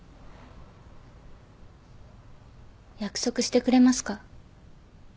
約束してくれますか？